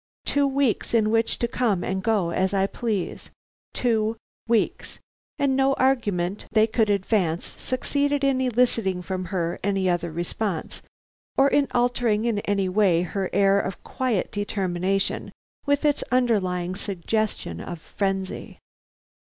Two weeks in which to come and go as I please. Two weeks!" And no argument they could advance succeeded in eliciting from her any other response or in altering in any way her air of quiet determination with its underlying suggestion of frenzy.